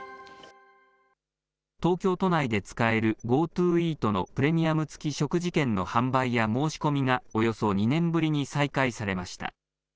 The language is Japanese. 東京都内で使えるＧｏＴｏイートのプレミアム付き食事券の販売や申し込みが、およそ２年ぶりに再開されました。